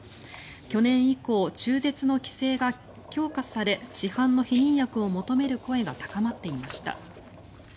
去年以降、中絶の規制が強化され市販の避妊薬を求める声が高まっていました。